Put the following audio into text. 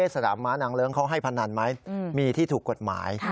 สนามม้านางเลิ้งเขาให้พนันไหมมีที่ถูกกฎหมาย